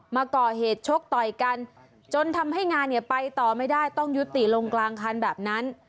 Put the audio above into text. มาก่อเหตุชกต่อยกันจนทำให้งานเนี่ยไปต่อไม่ได้ต้องยุติลงกลางคันแบบนั้น